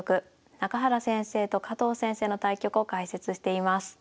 中原先生と加藤先生の対局を解説しています。